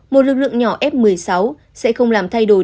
một lực lượng nhỏ f một mươi sáu sẽ không làm thay đổi